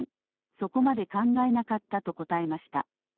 そこまで考えなかったと答えました。